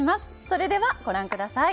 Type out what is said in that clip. それでは、ご覧ください。